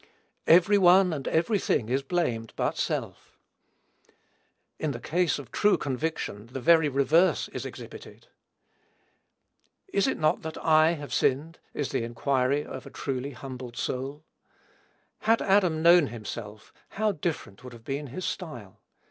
Every one and every thing is blamed but self. In the case of true conviction, the very reverse is exhibited. "Is it not I that have sinned?" is the inquiry of a truly humbled soul. Had Adam known himself, how different would have been his style!